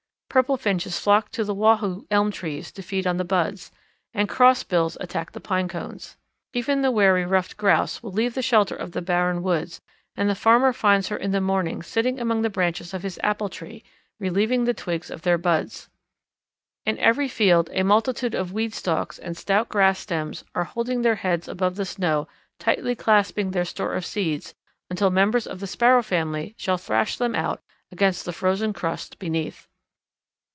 Purple Finches flock to the wahoo elm trees to feed on the buds, and Crossbills attack the pine cones. Even the wary Ruffed Grouse will leave the shelter of the barren woods, and the farmer finds her in the morning sitting among the branches of his apple tree, relieving the twigs of their buds. In every field a multitude of weed stalks and stout grass stems are holding their heads above the snow tightly clasping their store of seeds until members of the Sparrow family shall thrash them out against the frozen crust beneath.